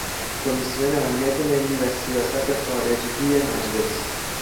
کمیسیون امنیت ملی و سیاست خارجهی مجلس